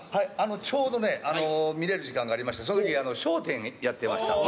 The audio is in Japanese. ちょうどね、見れる時間がありまして、そのとき、笑点やってました。